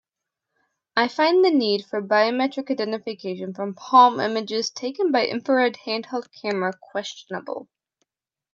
I find the need for biometric identification from palm images taken by infrared handheld camera questionable.